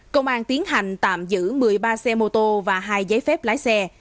công an tiến hành tạm giữ một mươi ba xe mô tô và hai giấy phép lái xe